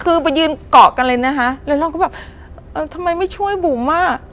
คือไปยืนเกาะกันเลยนะคะแล้วเราก็แบบเออทำไมไม่ช่วยบุ๋มอ่ะ